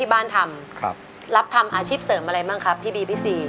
ก็แย่งกันด้วยล่ะไอ้จงปุ๊ปเฟ่ห้องหว่างจากมาเด้อ